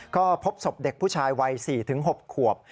ก็พบศพเด็กผู้ชายวัย๔๖ขวบ